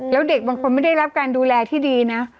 แล้วเด็กบางคนไม่ได้รับการดูแลที่ดีนะ